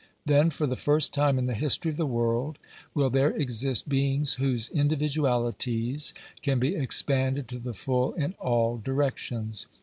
Then, for the first time in the history of the world, will there exist beings whose individualities can be expanded to the full in all directions.